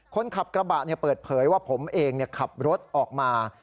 คนขับกระบะเปิดเผยว่าผมเองขับรถออกมา